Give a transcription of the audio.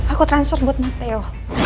aku transfer buat mateo